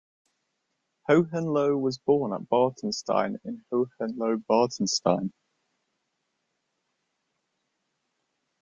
Hohenlohe was born at Bartenstein in Hohenlohe-Bartenstein.